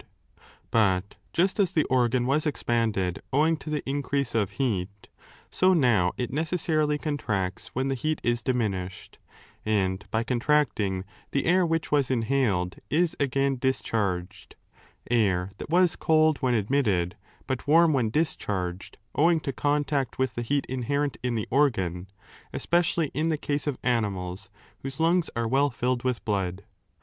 CONDITIONS OF LIFE 329 But just as the oigan was expanded owing to the increase 4 of heat, so now it necessarily contracts when the heat is diminished, and by contracting, the air which was inhaled is again discharged — air that was cold when admitted, but warm when discharged owing to contact with the heat inherent in the organ, especially in the case of animals whose lungs are well filled with blood.